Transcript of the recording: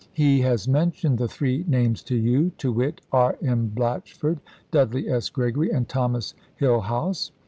CHASE 93 has mentioned the three names to you, to wit : R. M. chap. iv. Blatchford, Dudley S. Gregory, and Thomas Hill house.